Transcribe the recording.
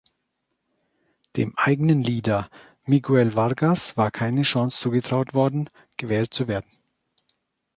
Dem eigenen Leader Miguel Vargas war keine Chance zugetraut worden, gewählt zu werden.